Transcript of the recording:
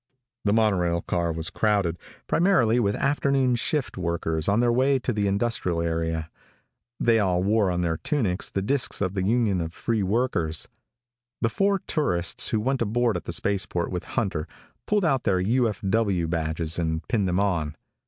The monorail car was crowded, primarily with afternoon shift workers on their way to the industrial area. They all wore on their tunics the discs of the Union of Free Workers. The four tourists who went aboard at the spaceport with Hunter pulled out their U.F.W. badges and pinned them on.